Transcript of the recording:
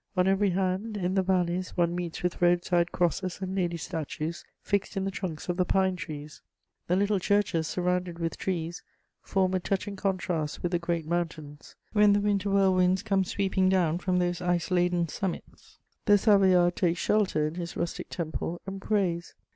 On every hand, in the valleys, one meets with road side crosses and lady statues fixed in the trunks of the pine trees. The little churches, surrounded with trees, form a touching contrast with the great mountains. When the winter whirlwinds come sweeping down from those ice laden summits, the Savoyard takes shelter in his rustic temple and prays.